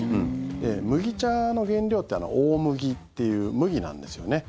麦茶の原料って大麦っていう麦なんですよね。